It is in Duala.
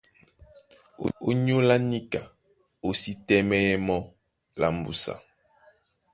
Ónyólá níka o sí tɛ́mɛ́yɛ́ mɔ́ lá mbúsa.